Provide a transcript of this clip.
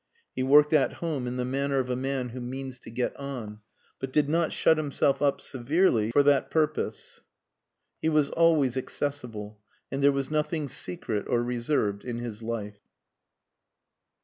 He worked at home in the manner of a man who means to get on, but did not shut himself up severely for that purpose. He was always accessible, and there was nothing secret or reserved in his life.